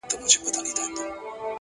وخت د ارمانونو صداقت څرګندوي؛